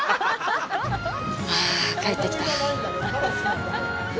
あぁ、帰ってきた。